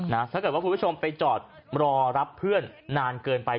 ถ้าเกิดว่าคุณผู้ชมไปจอดรอรับเพื่อนนานเกินไป